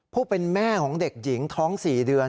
ผู้เป็นแม่ของเด็กหญิงท้อง๔เดือน